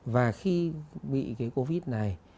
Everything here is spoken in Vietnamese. và khi bị cái covid này